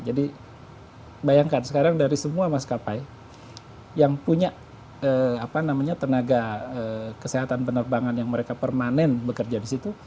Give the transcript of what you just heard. jadi bayangkan sekarang dari semua maskapai yang punya tenaga kesehatan penerbangan yang mereka permanen bekerja di situ